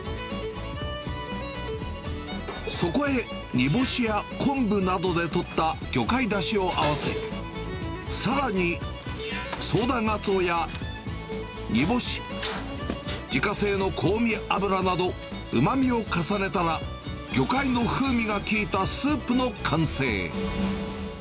そこへ、煮干しや昆布などでとった魚介だしを合わせ、さらにそうだがつおや、煮干し、自家製の香味油など、うまみを重ねたら、魚介の風味が効いたスープの完成。